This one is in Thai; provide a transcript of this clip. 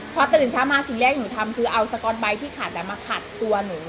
พอตื่นเช้ามาสิ่งแรกหนูทำคือเอาสก๊อตไบท์ที่ขัดมาขัดตัวหนู